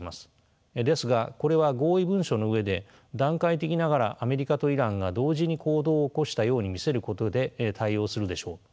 ですがこれは合意文書の上で段階的ながらアメリカとイランが同時に行動を起こしたように見せることで対応するでしょう。